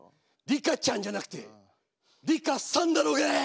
「リカちゃんじゃなくてリカさんだろうがい！」。